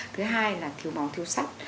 thứ hai là thiếu máu thiếu sắc